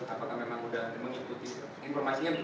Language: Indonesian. apakah memang sudah mengikuti informasinya